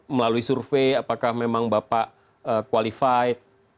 melalui survei apakah memang bapak qualified